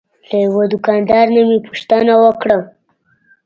له یوه دوکاندار نه مې پوښتنه وکړه.